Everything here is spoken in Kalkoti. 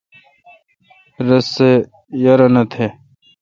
رس سہ یارانو تھ۔